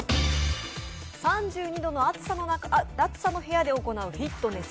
３２度の暑さの部屋で行うフィットネス